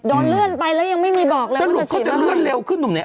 โดนเลื่อนไปแล้วยังไม่มีบอกเลยว่าจะฉีดแล้วไงฉันหรือเขาจะเลื่อนเร็วขึ้นตรงไหน